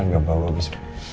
gak bau abis